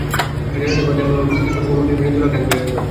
জাসদের প্রার্থী আমিনুল ইসলাম খোকন নির্বাচনে দুই লাখ টাকা ব্যয় করবেন।